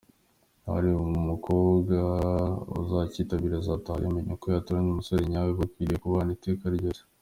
Buri mukobwa uzacyitabira azataha yamenye uko yatoranya umusore nyawe bakwiriye kubana iteka ryose.